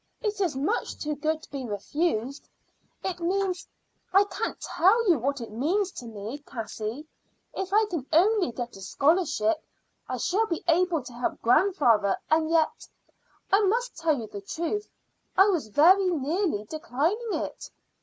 It is much too good to be refused. It means I can't tell you what it means to me, Cassie. If I can only get a scholarship I shall be able to help grandfather. And yet I must tell you the truth I was very nearly declining it."